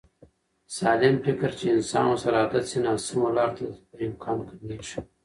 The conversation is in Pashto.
. سالم فکر چې انسان ورسره عادت شي، ناسمو لارو ته د تلو امکان کمېږي.